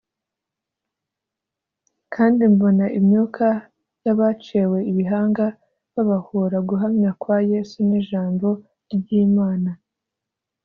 Kandi mbona imyuka y’abaciwe ibihanga babahōra guhamya kwa Yesu n’ijambo ry’Imana,